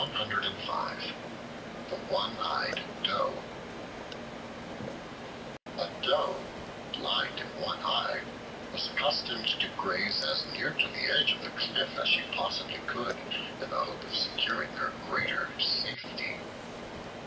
The One Eyed Doe A DOE blind in one eye was accustomed to graze as near to the edge of the cliff as she possibly could, in the hope of securing her greater safety.